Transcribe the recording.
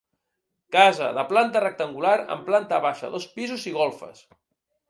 Casa, de planta rectangular, amb planta baixa, dos pisos i golfes.